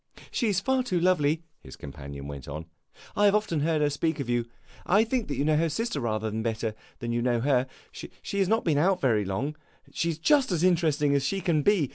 "She 's far too lovely," his companion went on. "I have often heard her speak of you. I think you know her sister rather better than you know her. She has not been out very long. She is just as interesting as she can be.